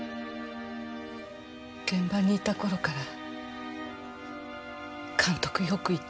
現場にいた頃から監督よく言ってました。